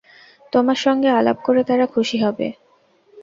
তোমার সঙ্গে আলাপ করে তারা খুশী হবে।